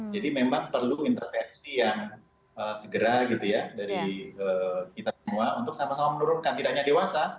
jadi memang perlu intervensi yang segera dari kita semua untuk sama sama menurunkan tidak hanya dewasa